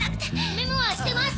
メモはしてます！